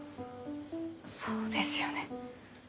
そうですよね。